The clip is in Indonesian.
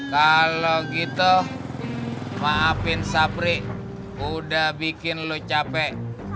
kalau gitu maafin sapri udah bikin lo capek